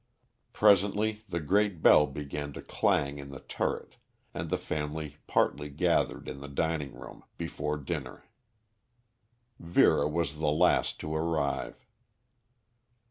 Presently the great bell began to clang in the turret, and the family partly gathered in the dining room before dinner. Vera was the last to arrive.